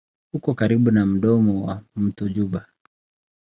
Uko karibu na mdomo wa mto Juba.